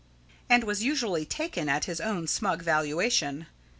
and was usually taken at his own smug valuation.